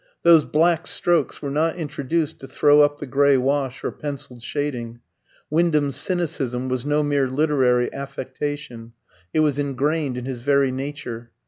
Those black strokes were not introduced to throw up the grey wash or pencilled shading; Wyndham's cynicism was no mere literary affectation, it was engrained in his very nature.